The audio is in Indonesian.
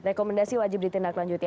rekomendasi wajib ditindak lanjuti